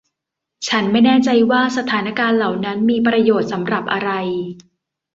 ฉันไม่แน่ใจว่าสถานการณ์เหล่านั้นมีประโยชน์สำหรับอะไร